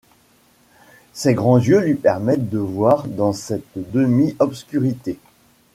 Ses grands yeux lui permettent de voir dans cette demi-obscurité.